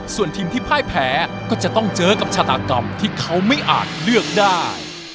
ส่วนทีมที่พ่ายแพ้ก็จะต้องเจอกับชาตากรรมที่เขาไม่อาจเลือกได้